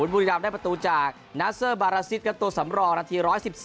บุรีรำได้ประตูจากนาเซอร์บาราซิสครับตัวสำรองนาที๑๑๒